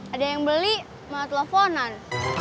ada yang beli sama teleponan